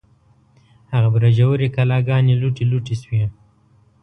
هغه برجورې کلاګانې، لوټې لوټې شوې